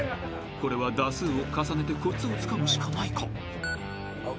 ［これは打数を重ねてコツをつかむしかないか？］